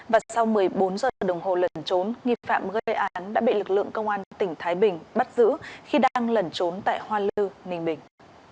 và sau một mươi bốn giờ đồng hồ lẩn trốn nghi phạm gây án đã bị lực lượng công an tỉnh thái bình bắt giữ khi đang lẩn trốn tại hoa lư ninh bình